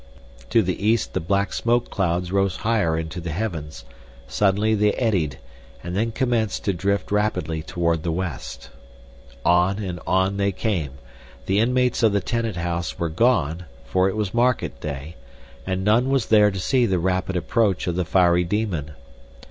To the east the black smoke clouds rose higher into the heavens, suddenly they eddied, and then commenced to drift rapidly toward the west. On and on they came. The inmates of the tenant house were gone, for it was market day, and none was there to see the rapid approach of the fiery demon.